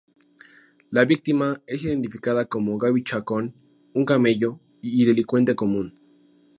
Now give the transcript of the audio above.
La víctima es identificada como Gabi Chacón, un camello y delincuente común.